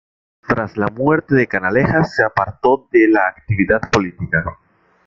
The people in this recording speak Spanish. Tras la muerte de Canalejas, se apartó de la actividad política.